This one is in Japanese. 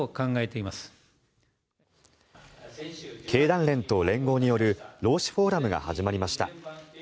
経団連と連合による労使フォーラムが始まりました。